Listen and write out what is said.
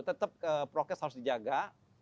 tetap progres harus dijaga